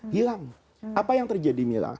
hilang apa yang terjadi